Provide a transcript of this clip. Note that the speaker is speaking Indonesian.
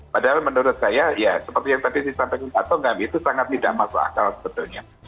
padahal menurut saya ya seperti yang tadi disampaikan pak tongam itu sangat tidak masuk akal sebetulnya